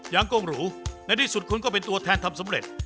ยังกงหรูในที่สุดคุณก็เป็นตัวแทนทำสำเร็จ